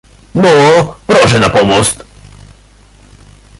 "No, proszę na pomost!"